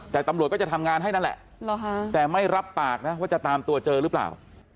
แต่ตำรวจก็จะทำงานให้นั่นแหละแต่ไม่รับปากนะว่าจะตามตัวเจอหรือเปล่า